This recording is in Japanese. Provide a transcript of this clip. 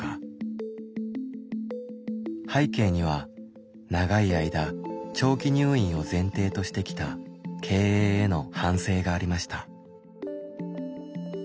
背景には長い間長期入院を前提としてきた経営への反省がありました。